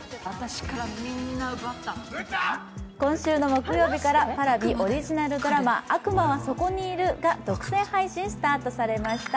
今週の木曜日からＰａｒａｖｉオリジナルドラマ、「悪魔はそこに居る」が独占配信スタートされました。